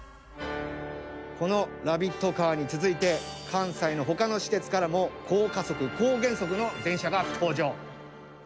このラビットカーに続いて関西の他の私鉄からも高加速・高減速の電車が登場！